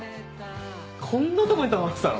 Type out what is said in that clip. こんなとこにたまってたの？